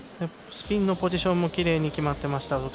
スピンのポジションもきれいに決まってました。